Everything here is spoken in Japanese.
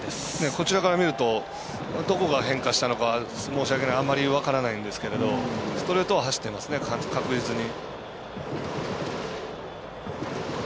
こちらから見るとどこが変化したのかあんまり分からないんですがストレートは走ってますね確実に。